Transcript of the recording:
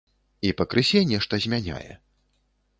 І пакрысе нешта змяняе.